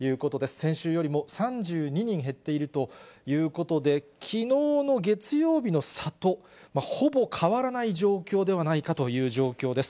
先週よりも３２人減っているということで、きのうの月曜日の差とほぼ変わらない状況ではないかという状況です。